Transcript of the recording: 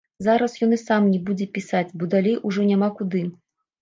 Зараз ён і сам не будзе пісаць, бо далей ужо няма куды.